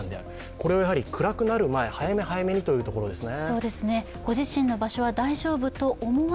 これは暗くなる前、早め早めにというところですね。